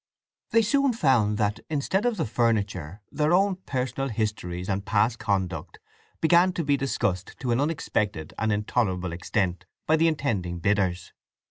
They soon found that, instead of the furniture, their own personal histories and past conduct began to be discussed to an unexpected and intolerable extent by the intending bidders.